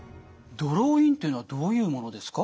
ドローインというのはどういうものですか？